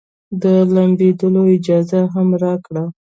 د لامبېدلو اجازه يې هم راکړه.